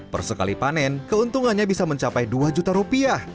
per sekali panen keuntungannya bisa mencapai rp dua juta